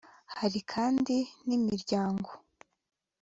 Hari kandi n’imiryango